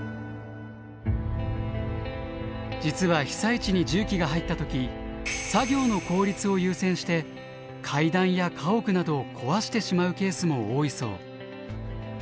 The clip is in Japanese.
実は被災地に重機が入った時作業の効率を優先して階段や家屋などを壊してしまうケースも多いそう。